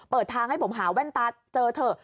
เปิดทางให้ผมหาแว่นตาเจอเถอะ